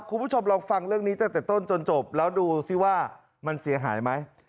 คุณผู้ชมลองฟังเรื่องนี้ตั้งแต่ต้นจนจบแล้วดูสิว่ามันเสียหายไหม